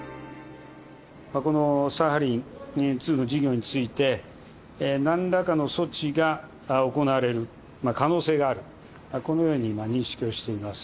このサハリン２の事業について、なんらかの措置が行われる可能性がある、このように今、認識しています。